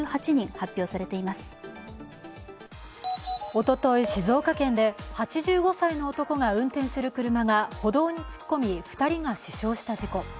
おととい、静岡県で８５歳の男が運転する車が歩道に突っ込み、２人が死傷した事故。